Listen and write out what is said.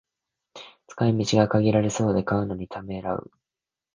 使い道が限られそうで買うのにためらう